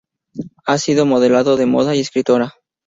Ha sido modelo de moda y escritora.